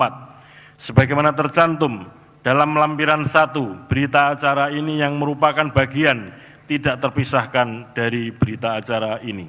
tahap keputusan komisi pemilihan umum based on verbal